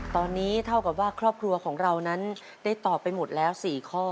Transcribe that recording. ตอนนี้เท่ากับว่าครอบครัวของเรานั้นได้ตอบไปหมดแล้ว๔ข้อ